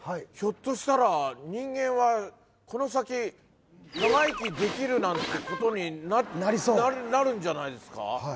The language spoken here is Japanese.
ひょっとしたら人間はこの先長生きできるなんてことになりそうなるんじゃないですか？